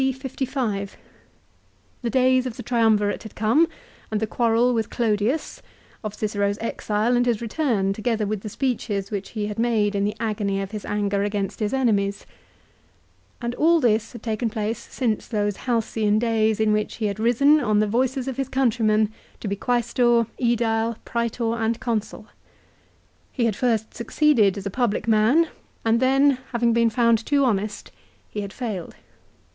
C. 55. 1 De Inventioue, lib. ii. 4. CICERO'S RHETORIC. 309 The days of the Triumvirate had come, aiid the quarrel with Clodius ; of Cicero's exile and his return, together with the speeches which he had made in the agony of his anger against his enemies. And all this had taken place since those halcyon days in which he had risen, on the voices of his countrymen, to be Qusestor, ^Edile, Prsetor and Consul. He had first succeeded as a public man, and then, having been found too honest, he had failed.